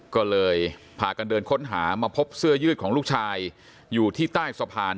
ก็เลยพากันเดินค้นหามาพบเสื้อยืดของลูกชายอยู่ที่ใต้สะพาน